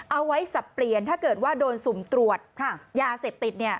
สับเปลี่ยนถ้าเกิดว่าโดนสุ่มตรวจยาเสพติด